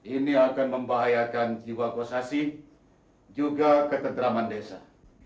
ini akan membahayakan jiwa kustasih juga keterdraman desa